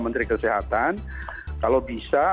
menteri kesehatan kalau bisa